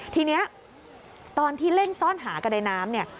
ทีนี้ตอนที่เล่นซ่อนหากันในน้ำเนี่ย